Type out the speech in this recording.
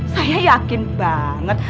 saya yakin banget